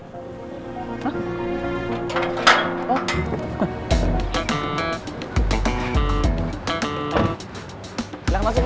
terima kasih mbak